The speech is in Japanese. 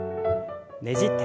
ねじって。